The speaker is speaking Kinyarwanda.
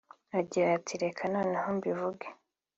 Agira ati “Reka noneho mbivuge